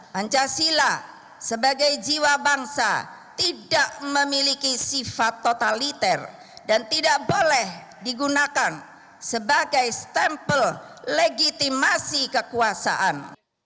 pancasila sebagai jiwa bangsa tidak memiliki sifat totaliter dan tidak boleh digunakan sebagai stempel legitimasi kekuasaan